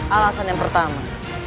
alasan yang pertama